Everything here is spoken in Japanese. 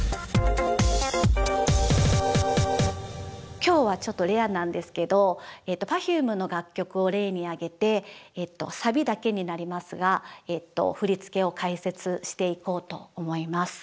今日はちょっとレアなんですけどＰｅｒｆｕｍｅの楽曲を例に挙げてサビだけになりますが振付を解説していこうと思います。